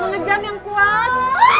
mengejam yang kuat